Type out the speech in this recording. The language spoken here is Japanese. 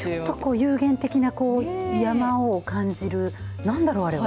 ゆうげん的な山を感じる、なんだろう、あれは。